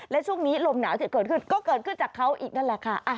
และช่วงนี้ลมหนาวที่เกิดขึ้นก็เกิดขึ้นจากเขาอีกนั่นแหละค่ะ